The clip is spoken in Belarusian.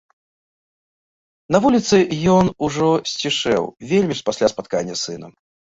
На вуліцы ён ужо сцішэў, вельмі ж пасля спаткання з сынам.